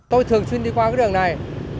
tôi thường xuyên đi qua đường này